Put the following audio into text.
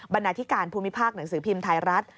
นาธิการภูมิภาคหนังสือพิมพ์ไทยรัฐ